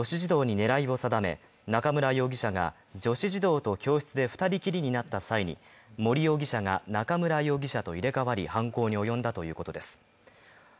２人は女子児童に狙いを定め中村容疑者が女子児童と教室で２人きりになった際に森容疑者が中村容疑者と入れ替わり犯行に及んだということです。